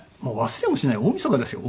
忘れもしない大みそかですよ